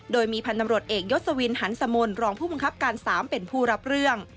โดยมีพันธ์ตำรวจเอกยศวินหันสมลรองผู้บังคับการ๓เป็นผู้รับเรื่อง